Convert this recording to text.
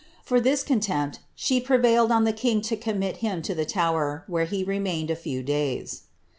For this contempt she prevailed on the king to commit him to the Tower, wnere he remained a few days.